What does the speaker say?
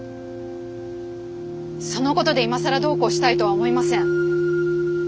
そのことで今更どうこうしたいとは思いません。